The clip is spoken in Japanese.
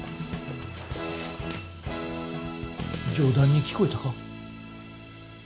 冗談に聞こえたか？